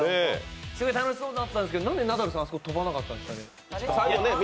すごい楽しそうだったんですけどなんでナダルさん、あそこ跳ばなかったんですか？